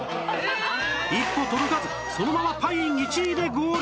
一歩届かずそのままパイン１位でゴール